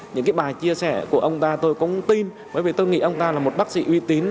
những cái bài chia sẻ của ông ta tôi cũng tin bởi vì tôi nghĩ ông ta là một bác sĩ uy tín